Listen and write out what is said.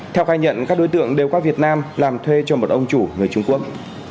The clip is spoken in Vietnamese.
theo khai nhận các đối tượng đều qua việt nam làm thuê cho một ông chủ người trung quốc